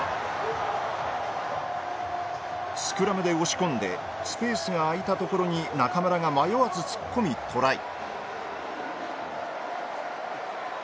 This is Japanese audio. スクラムで押し込んでスペースが空いた所に中村が迷わず突っ込みトライ